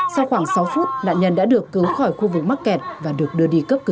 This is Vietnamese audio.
sau khoảng sáu phút nạn nhân đã được cứu khỏi khu vực mắc kẹt và được đưa đi cấp cứu